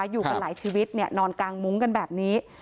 อยู่กันหลายชีวิตนอนกลางมุ้งกันแบบนี้